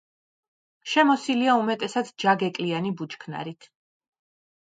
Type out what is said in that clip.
შემოსილია უმეტესად ჯაგეკლიანი ბუჩქნარით.